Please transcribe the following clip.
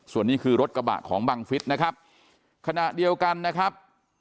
ส่วนนี้คือรถกระบะของบังฟิศนะครับขณะเดียวกันนะครับ